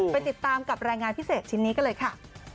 ไปติดตามกับรายงานพิเศษชิ้นนี้กันเลยค่ะ